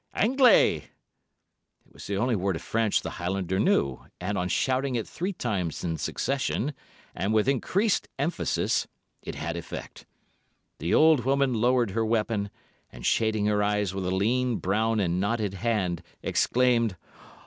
Anglais." It was the only word of French the Highlander knew, and, on shouting it three times in rapid succession, and with increased emphasis, it had effect. The old woman lowered her weapon, and shading her eyes with a lean, brown, and knotted hand, exclaimed.